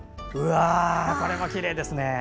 これもきれいですね。